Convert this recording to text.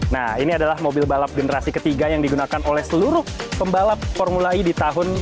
nah ini adalah mobil balap generasi ketiga yang digunakan oleh seluruh pembalap formula e di tahun dua ribu dua